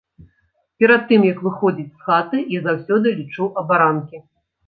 Перад тым як выходзіць з хаты, я заўсёды лічу абаранкі.